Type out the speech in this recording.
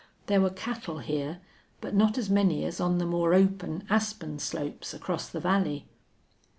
There were cattle here, but not as many as on the more open aspen slopes across the valley.